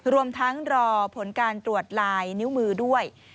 รวมทั้งรอผลการตรวจลายนิ้วมือด้วย